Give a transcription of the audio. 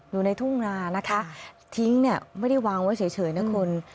อยู่ในทุ่งนานะคะทิ้งเนี่ยไม่ได้วางไว้เฉยนะคุณ